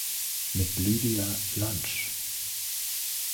Mit Lydia Lunch